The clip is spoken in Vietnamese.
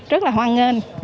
rất là hoan nghênh